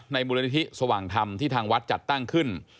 มูลนิธิสว่างธรรมที่ทางวัดจัดตั้งขึ้น